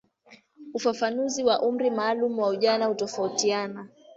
Ufafanuzi wa umri maalumu wa ujana hutofautiana.